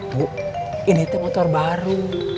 bu ini motor baru